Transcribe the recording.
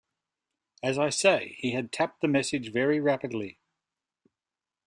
As I say, he had tapped the message very rapidly.